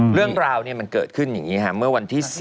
เรื่องราวมันเกิดขึ้นอย่างนี้ค่ะเมื่อวันที่๔